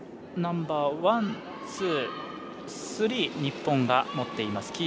ナンバーワン、ツー、スリー日本が持っています。